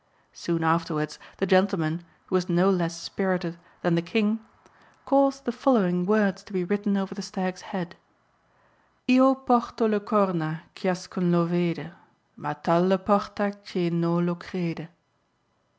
Soon afterwards the gentleman, who was no less spirited than the King, caused the following words to be written over the stag's head: "Io porto le corna, ciascun lo vede, Ma tal le porta che no lo crede."